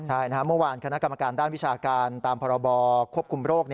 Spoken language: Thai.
ใช่เมื่อวานคณะกรรมการด้านวิชาการตามพรบควบคุมโรค